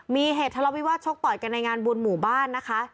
มีเหตุทะเลาวิวาสชกต่อยกันในงานบุญหมู่บ้านนะคะ